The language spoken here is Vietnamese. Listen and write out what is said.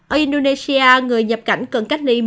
ở indonesia người nhập cảnh cần cách ly